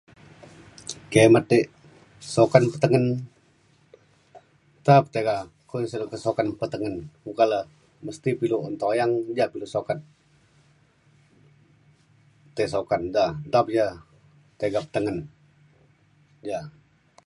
kemet ek sokan petengen nta pe tega kumin sik le sokan petengen boka le mesti pe ilu un toyang ja pilu sokat tai sokan da nta pe tia tega petengen ja.